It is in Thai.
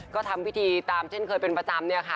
ก็ทำพิธีตามเช่นเคยเป็นประจำเนี่ยค่ะ